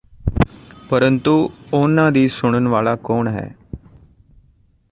ਪਰੰਤੂ ਉਨ੍ਹਾਂ ਦੀ ਸੁਨਣ ਵਲਾ ਕੌਣ ਹੈ